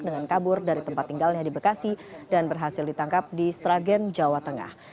dengan kabur dari tempat tinggalnya di bekasi dan berhasil ditangkap di sragen jawa tengah